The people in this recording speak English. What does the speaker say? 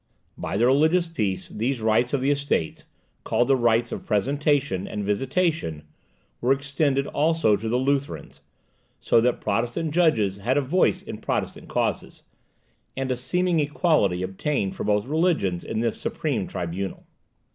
By the religious peace, these rights of the Estates, (called the rights of presentation and visitation,) were extended also to the Lutherans, so that Protestant judges had a voice in Protestant causes, and a seeming equality obtained for both religions in this supreme tribunal.